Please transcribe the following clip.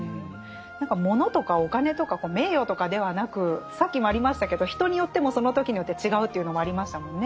物とかお金とか名誉とかではなくさっきもありましたけど人によってもその時によって違うというのもありましたもんね。